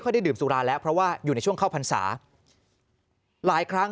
ได้ดื่มสุราแล้วเพราะว่าอยู่ในช่วงเข้าพรรษาหลายครั้ง